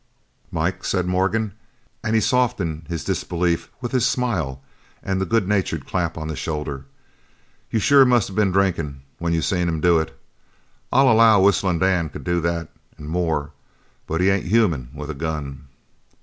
"Mike," said Morgan, and he softened his disbelief with his smile and the good natured clap on the shoulder, "you sure must of been drinkin' when you seen him do it. I allow Whistlin' Dan could do that an' more, but he ain't human with a gun."